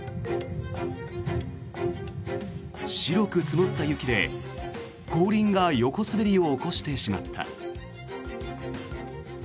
白く積もった雪で後輪が横滑りを起こしてしまった。